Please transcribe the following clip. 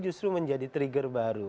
justru menjadi trigger baru